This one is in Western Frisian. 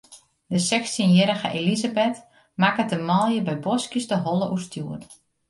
De sechstjinjierrige Elisabeth makket de manlju by boskjes de holle oerstjoer.